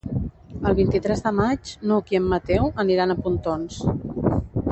El vint-i-tres de maig n'Hug i en Mateu aniran a Pontons.